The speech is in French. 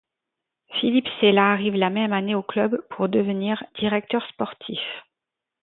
Philippe Sella arrive la même année au club pour devenir Directeur sportif.